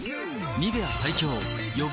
「ニベア」最強予防